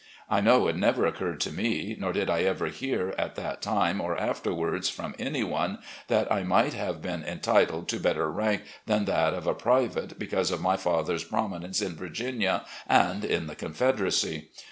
I know it never occurred to me, nor did I ever hear, at that time ARMY LIFE OF ROBERT THE YOUNGER 71 or afterwards, from anyone, that I might have been entitled to better rank than that of a private because of my father's prominence in Virginia and in the Confed eracy.